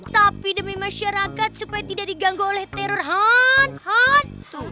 tapi demi masyarakat supaya tidak diganggu oleh teroran hantu